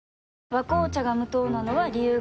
「和紅茶」が無糖なのは、理由があるんよ。